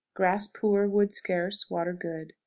Grass poor; wood scarce; water good.